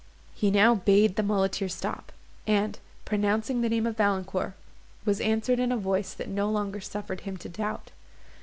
He now himself bade the muleteer stop; and, pronouncing the name of Valancourt, was answered in a voice, that no longer suffered him to doubt.